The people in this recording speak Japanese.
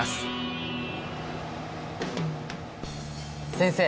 先生！